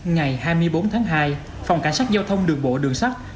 ngày hai mươi bốn tháng hai phòng cảnh sát giao thông đường bộ đường sắt